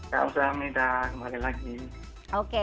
kamsahamnida kembali lagi